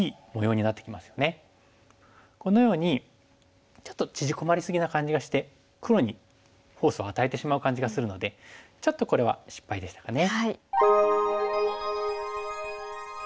このようにちょっと縮こまり過ぎな感じがして黒にフォースを与えてしまう感じがするのでちょっとこれは失敗でしたかね。